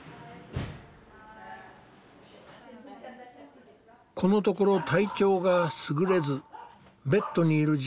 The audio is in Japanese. このところ体調が優れずベッドにいる時間が長くなっていた。